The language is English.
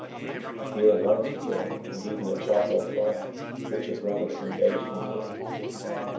Here lights were burning, and even a charcoal fire, at which a brother was engaged in cooking.